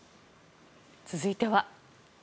続いては。